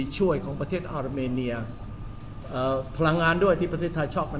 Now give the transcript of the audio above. ช่วยของประเทศอาราเมเนียเอ่อพลังงานด้วยที่ประเทศไทยชอบเป็น